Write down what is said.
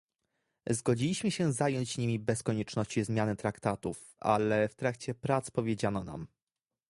Zgodziliśmy się zająć nimi bez konieczności zmiany traktatów, ale w trakcie prac powiedziano nam